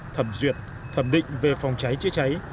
thẩm duyệt thẩm định về phòng cháy chữa cháy